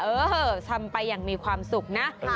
เออทำไปอย่างมีความสุขนะ